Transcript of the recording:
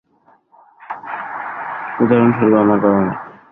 উদাহরণস্বরূপ, আমার বাবা-মা।